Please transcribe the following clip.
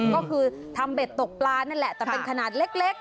ก็คือทำเบ็ดตกปลานั่นแหละแต่เป็นขนาดเล็ก